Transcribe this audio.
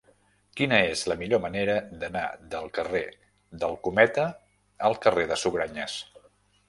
Quina és la millor manera d'anar del carrer del Cometa al carrer de Sugranyes?